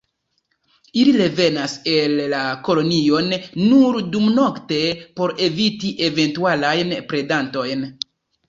Ili revenas en la kolonion nur dumnokte por eviti eventualajn predantojn.